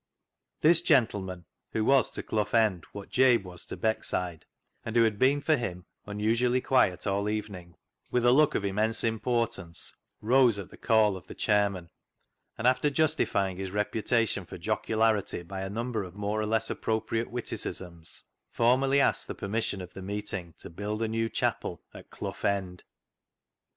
This gentleman, who was to Clough End what Jabe was to Beckslde, and who had been, for him, unusually quiet all evening, with a look of immense importance, rose at the call of the chairman, and after justifying his reputation for jocularity by a number of more or less appropriate witticisms, formally asked the per mission of the meeting to build a new chapel at Clough End.